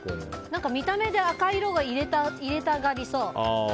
見た目で赤い色を入れたがりそう。